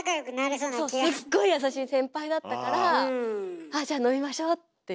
そうすっごい優しい先輩だったからああじゃあ飲みましょうって言って。